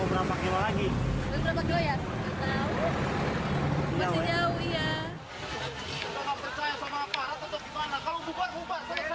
jangan percaya sama aparat atau gimana kalau bukan ubah selesai